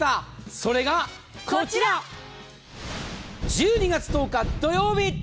それがこちら１２月１０日土曜日！